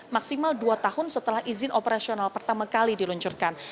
maksimal dua tahun setelah izin operasional pertama kali diluncurkan